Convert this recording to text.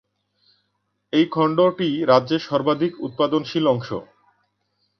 এই খণ্ডটি রাজ্যের সর্বাধিক উৎপাদনশীল অংশ।